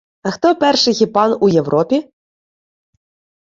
А хто перший хіпан у Європі?